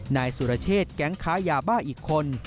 นายสุรเชษแก๊งค้ายาบ้าอีกคน